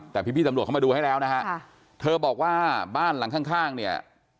แต่พี่ตำรวจเข้ามาดูให้แล้วนะฮะเธอบอกว่าบ้านหลังข้างเนี่ย